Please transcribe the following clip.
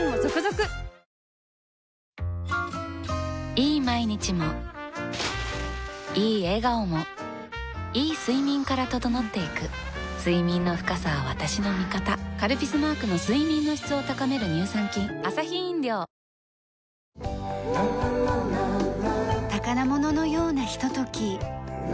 いい毎日もいい笑顔もいい睡眠から整っていく睡眠の深さは私の味方「カルピス」マークの睡眠の質を高める乳酸菌宝物のようなひととき。